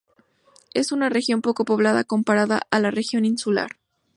Es una región poco poblada comparada a la región insular.